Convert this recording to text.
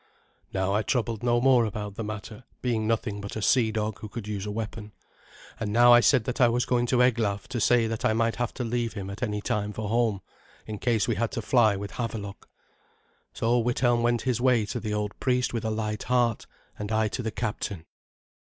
Now I troubled no more about the matter, being nothing but a sea dog who could use a weapon. And now I said that I was going to Eglaf to say that I might have to leave him at any time for home, in case we had to fly with Havelok. So Withelm went his way to the old priest with a light heart, and I to the captain.